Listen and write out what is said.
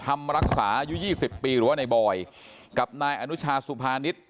ธรรมรักษาอายุ๒๐ปีหรือว่าในบอยกับนายอนุชาสุภานิษฐ์